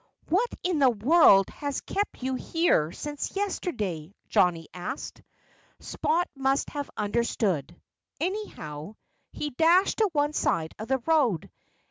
"What in the world has kept you here ever since yesterday?" Johnnie asked. Spot must have understood. Anyhow, he dashed to one side of the road.